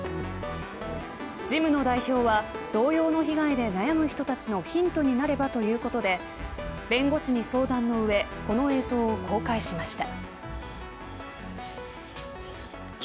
ジムの代表は同様の被害で悩む人たちのヒントになればということで弁護士に相談の上この映像を公開しました。